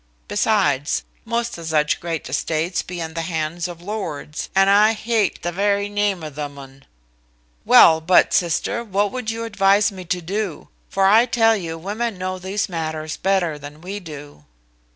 Besides, most o' zuch great estates be in the hands of lords, and I heate the very name of themmun. Well but, sister, what would you advise me to do; for I tell you women know these matters better than we do?"